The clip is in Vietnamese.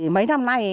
mấy năm nay